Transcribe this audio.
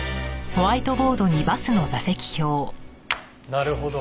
なるほど。